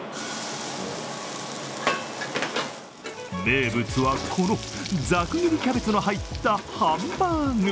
名物はこのザク切りキャベツの入ったハンバーグ。